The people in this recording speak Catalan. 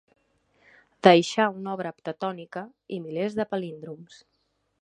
Deixà una obra heptatònica i milers de palíndroms.